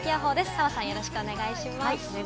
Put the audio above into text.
澤さん、よろしくお願いします。